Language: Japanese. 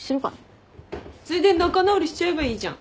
ついでに仲直りしちゃえばいいじゃん。